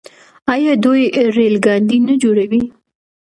آیا دوی ریل ګاډي نه جوړوي؟